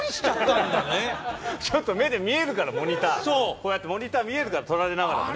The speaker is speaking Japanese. こうやってモニター見えるから撮られながらね。